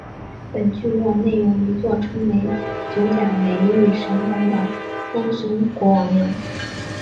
本聚落内有一座称为九甲围义山宫的三山国王庙。